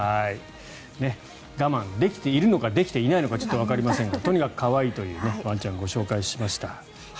我慢できているのかできていないのかちょっとわかりませんがとにかく可愛いというワンちゃんをご紹介しました。